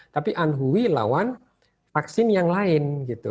tapi anhui lawan vaksin yang lain gitu